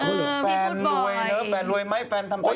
พี่สุดบอกไหมแฟนรวยเนอะแฟนรวยไหมแฟนทำแฟน